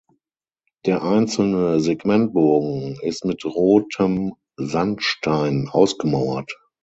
Der einzelne Segmentbogen ist mit rotem Sandstein ausgemauert.